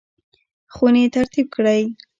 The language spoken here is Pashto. خونې ترتیب کړئ